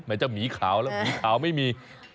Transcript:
จะหมีขาวแล้วหมีขาวไม่มี